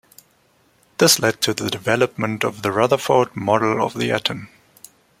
This led to the development of the Rutherford model of the atom.